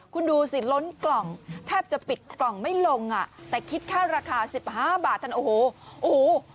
คุณดูสิล้นกล่องแทบจะปิดกล่องไม่ลงอ่ะแต่คิดแค่ราคาสิบห้าบาทท่านโอ้โหโอ้โห